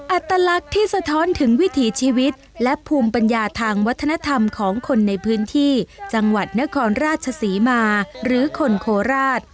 อัตลักษณ์ที่สะท้อนถึงวิถีชีวิตและภูมิปัญญาทางวัฒนธรรมของคนในพื้นที่จังหวัดนครราชศรีมาหรือคนโคราช